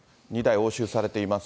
２台押収されています。